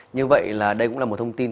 như vậy là đây cũng là một thông tin